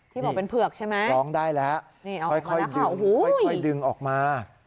ที่บอกเป็นเผือกใช่ไหมออกมาแล้วค่ะโอ้โฮค่อยดึงออกมา